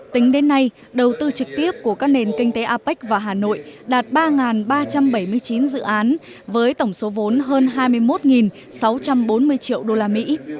tính đến nay đầu tư trực tiếp của các nền kinh tế apec và hà nội đạt ba ba trăm bảy mươi chín dự án với tổng số vốn hơn hai mươi một sáu trăm bốn mươi triệu đô la mỹ